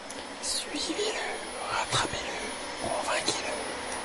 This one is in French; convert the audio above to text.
Suivez-le, rattrapez-le, convainquez-le.